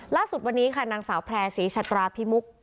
ล่าสุดวันนี้ค่ะนางสาวแพร่ศรีชัตราพิมุก